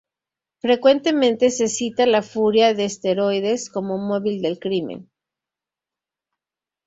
Frecuentemente se cita la "furia de esteroides" como móvil del crimen.